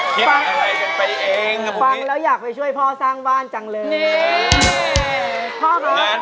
ตอนนี้มาดูผลกันเลยนะครับ